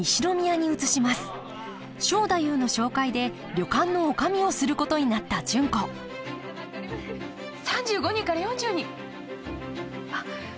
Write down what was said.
正太夫の紹介で旅館の女将をすることになった純子３５人から４０人あっ高校野球の？